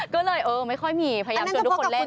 ก็เลยเออไม่ค่อยมีพยายามชวนทุกคนเล่น